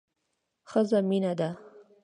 ښځه مينه ده